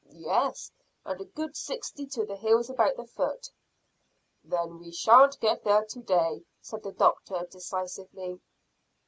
"Yes, and a good sixty to the hills about the foot." "Then we shan't get there to day," said the doctor decisively.